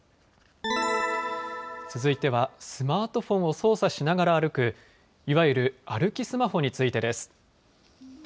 続いては、スマートフォンを操作しながら歩く、いわゆる歩きスマホについてです。